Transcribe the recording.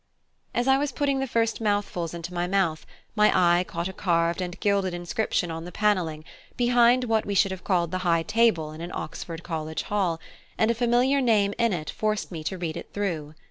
As I was putting the first mouthfuls into my mouth my eye caught a carved and gilded inscription on the panelling, behind what we should have called the High Table in an Oxford college hall, and a familiar name in it forced me to read it through.